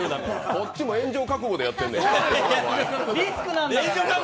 こっちも炎上覚悟でやってんやから。